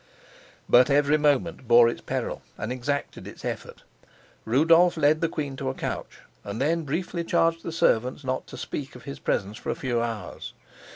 But every moment bore its peril and exacted its effort. Rudolf led the queen to a couch, and then briefly charged the servants not to speak of his presence for a few hours.